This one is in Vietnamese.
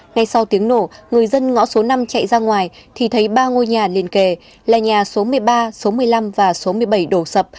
ngay sau tiếng nổ người dân ngõ số năm chạy ra ngoài thì thấy ba ngôi nhà liên kề là nhà số một mươi ba số một mươi năm và số một mươi bảy đổ sập